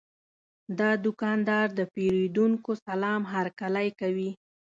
دا دوکاندار د پیرودونکو سلام هرکلی کوي.